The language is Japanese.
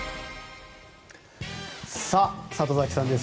里崎さんです。